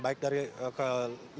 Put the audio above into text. baik dari keberangkatan